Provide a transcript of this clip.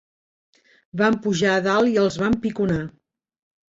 Vam pujar a dalt i els vam piconar.